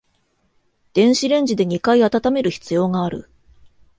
電子レンジで二回温める必要がある